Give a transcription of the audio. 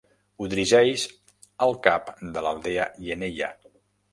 Ho dirigeix el cap de l'aldea Yeneya.